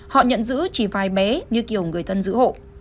họ nhận giữ chỉ vài bé như kiểu người thân giữ hộ